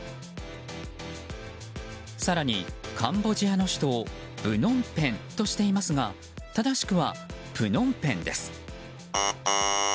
更に、カンボジアの首都をブノンペンとしていますが正しくは、プノンペンです。